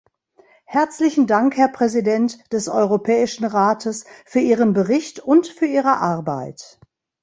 Herzlichen Dank, Herr Präsident des Europäischen Rates für Ihren Bericht und für Ihre Arbeit.